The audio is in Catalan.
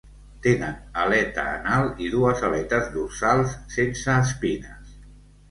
Tenen aleta anal i dues aletes dorsals sense espines.